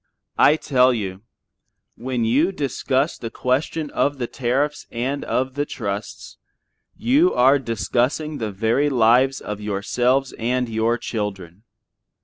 I tell you, when you discuss the question of the tariffs and of the trusts, you are discussing the very lives of yourselves and your children.